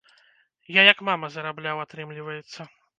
Я як мама зарабляў, атрымліваецца.